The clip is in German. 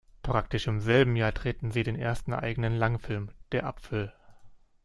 Praktisch im selben Jahr drehte sie den ersten eigenen Langfilm, "Der Apfel".